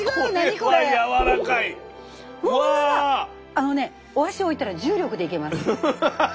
あのねお箸置いたら重力でいけます。